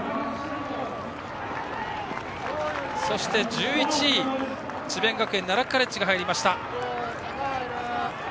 １１位、智弁学園奈良カレッジが入りました。